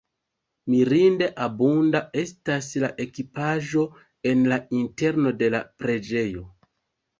Mirinde abunda estas la ekipaĵo en la interno de la preĝejo.